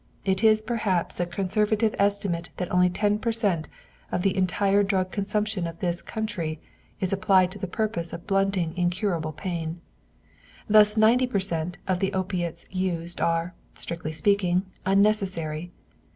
It is perhaps a conservative estimate that only ten per cent. of the entire drug consumption in this country is applied to the purpose of blunting incurable pain. Thus ninety per cent. of the opiates used are, strictly speaking, unnecessary.